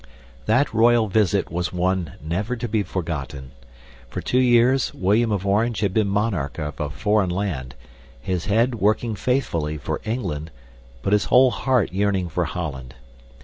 That royal visit was one never to be forgotten. For two years William of Orange had been monarch of a foreign land, his head working faithfully for England, but his whole heart yearning for Holland.